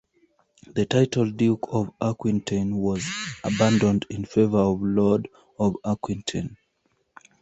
The title Duke of Aquitaine was abandoned in favor of Lord of Aquitaine.